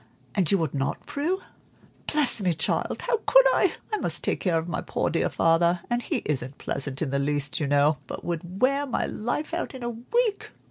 "And you would not, Prue?" "Bless me, child, how could I? I must take care of my poor dear father, and he isn't pleasant in the least, you know, but would wear my life out in a week.